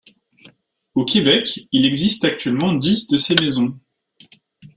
Au Québec, il existe actuellement dix de ces maisons.